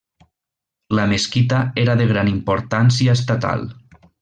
La mesquita era de gran importància estatal.